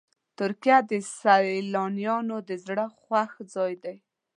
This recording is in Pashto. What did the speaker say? ترکیه د سیلانیانو د زړه خوښ ځای دی.